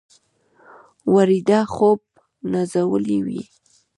ویده خوب نازولي وي